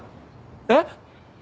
えっ！？